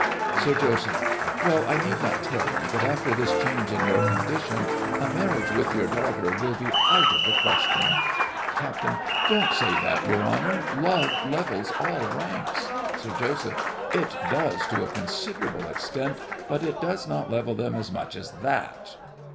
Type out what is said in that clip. SIR JOSEPH. Well, I need not tell you that after this change in your condition, a marriage with your daughter will be out of the question. CAPT. Don't say that, your honour—love levels all ranks. SIR JOSEPH. It does to a considerable extent, but it does not level them as much as that.